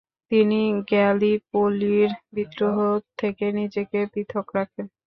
তিনি গ্যালিপোলি'র বিদ্রোহ থেকে নিজেকে পৃথক রাখেন।